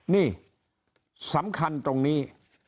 นี่สำคัญตรงนี้